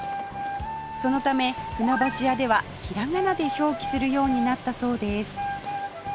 そのため船橋屋では平仮名で表記するようになったそうです